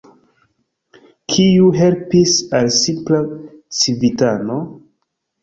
Kiu helpis al simpla civitano?